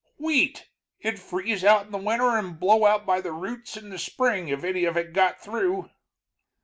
Wheat! it'd freeze out in the winter and blow out by the roots in the spring if any of it got through."